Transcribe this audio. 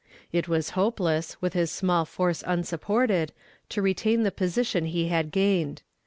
It was hopeless, with his small force unsupported, to retain the position he had gained.